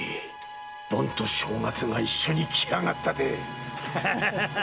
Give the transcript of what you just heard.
盆と正月が一緒に来やがったぜ！